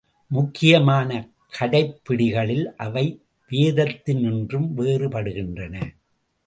முக்கியமான கடைப்பிடிகளில் அவை வேதத்தினின்றும் வேறுபடுகின்றன.